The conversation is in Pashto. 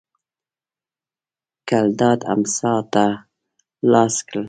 ګلداد امسا ته لاس کړ.